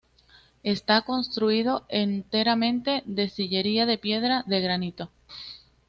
Está construido enteramente en sillería de piedra de granito.